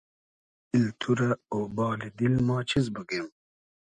دیل تو رۂ اۉبالی دیل ما چیز بوگیم